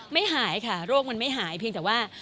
ไม่หายค่ะโรคมันไม่หายเพียงแต่ว่า